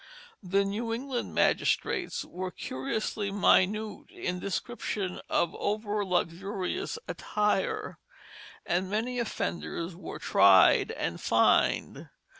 The New England magistrates were curiously minute in description of overluxurious attire, and many offenders were tried and fined.